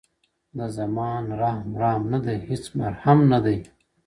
د زمان رحم ـ رحم نه دی؛ هیڅ مرحم نه دی!